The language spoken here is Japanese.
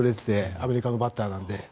アメリカのバッターなので。